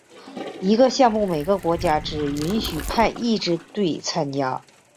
一个项目每个国家只允许派一支队参加。